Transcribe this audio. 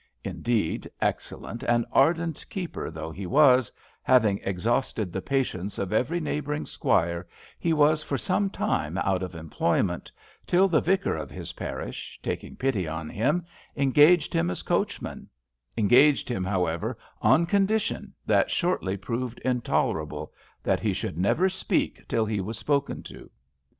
Indeed, excellent and ardent keeper though he was, having exhausted the patience of every neighbouring squire, he was for some time out of employment, till the vicar of his parish, taking pity on him, engaged him as coachman; engaged him, however, on conditions that shortly proved intolerable — that he should never speak till he was spoken to.